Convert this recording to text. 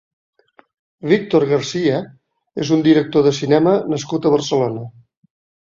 Víctor García és un director de cinema nascut a Barcelona.